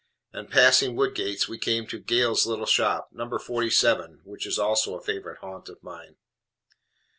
And passing Woodgate's, we come to Gale's little shop, "No. 47," which is also a favorite haunt of mine.